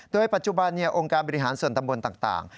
โดยปัจจุบันองค์การบริหารส่วนตำบลต่าง